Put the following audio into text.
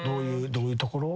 どういうところ？